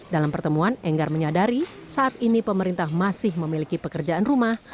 dalam pertemuan enggar menyadari saat ini pemerintah masih memiliki pekerjaan rumah